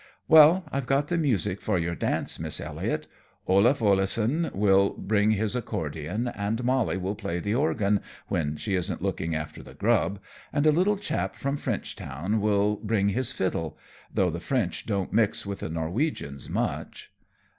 "Well, I've got the music for your dance, Miss Elliot. Olaf Oleson will bring his accordion and Mollie will play the organ, when she isn't lookin' after the grub, and a little chap from Frenchtown will bring his fiddle though the French don't mix with the Norwegians much."